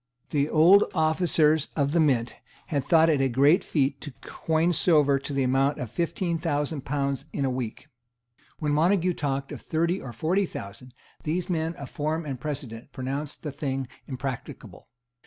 The old officers of the Mint had thought it a great feat to coin silver to the amount of fifteen thousand pounds in a week. When Montague talked of thirty or forty thousand, these men of form and precedent pronounced the thing impracticable.